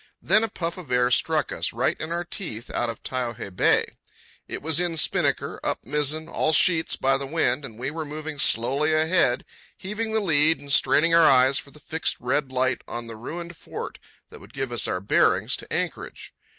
Then a puff of air struck us, right in our teeth, out of Taiohae Bay. It was in spinnaker, up mizzen, all sheets by the wind, and we were moving slowly ahead, heaving the lead and straining our eyes for the fixed red light on the ruined fort that would give us our bearings to anchorage.